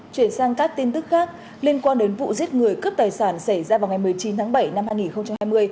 chuyển sang các tin tức khác liên quan đến vụ giết người cướp tài sản xảy ra vào ngày một mươi chín tháng bảy năm hai nghìn hai mươi